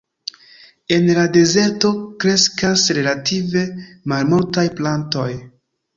En la dezerto kreskas relative malmultaj plantoj.